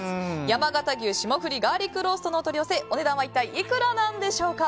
山形牛霜降りガーリックローストのお取り寄せお値段は一体いくらなんでしょうか。